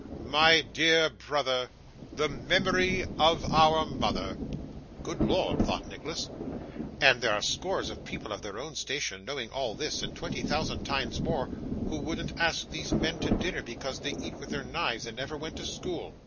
My dear brother The Memory of our Mother.' 'Good Lord!' thought Nicholas, 'and there are scores of people of their own station, knowing all this, and twenty thousand times more, who wouldn't ask these men to dinner because they eat with their knives and never went to school!